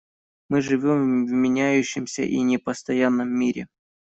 Мы живем в меняющемся и непостоянном мире.